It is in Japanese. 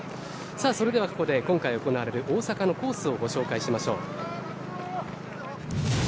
それではここで今回行われる大阪のコースをご紹介しましょう。